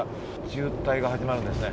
渋滞が始まるんですね。